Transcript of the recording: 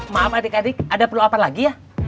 maaf adik adik ada perlu apa lagi ya